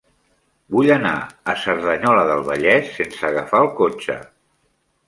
Vull anar a Cerdanyola del Vallès sense agafar el cotxe.